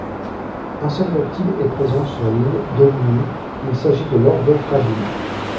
Un seul reptile est présent sur l'île d'Aurigny, il s'agit de l'orvet fragile.